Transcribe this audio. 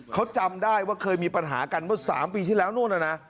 เขาจำได้ว่าเคยมีปัญหากันเมื่อ๓ปีที่แล้วนู่นน่ะนะ